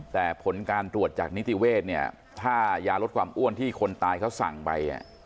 แต่ผลการตรวจจากนิติเวศเนี่ยถ้ายาลดความอ้วนที่คนตายเขาสั่งไป